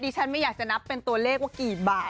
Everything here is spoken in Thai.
ฉันไม่อยากจะนับเป็นตัวเลขว่ากี่บาท